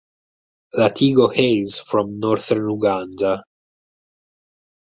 Latigo hails from Northern Uganda.